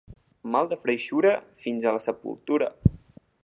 Mal de freixura, fins a la sepultura.